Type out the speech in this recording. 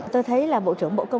tôi thấy là bộ trưởng bộ công an